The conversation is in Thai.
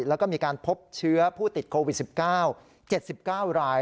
แล้วก็มีการพบเชื้อผู้ติดโควิด๑๙๗๙ราย